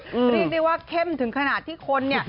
นี่ดีว่าเข้มถึงขนาดที่คน